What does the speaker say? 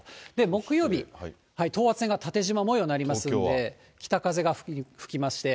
木曜日、等圧線が縦じま模様になりますんで、北風が吹きまして。